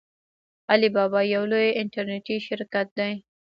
علي بابا یو لوی انټرنیټي شرکت دی.